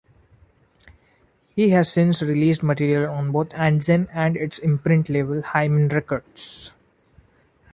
He has since released material on both Ant-Zen and its imprint label Hymen Records.